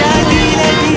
wah ada gerobok nih